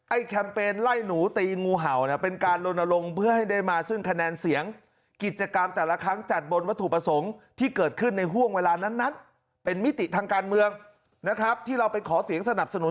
ไอ้แคมเปญไล่หนูตีงูเห่าเป็นการลงเพื่อให้ได้มาซึ่งคะแนนเสียง